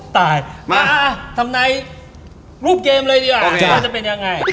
ตายมาทำรายรูปเกมเลยดีกว่าจะมีอย่างไง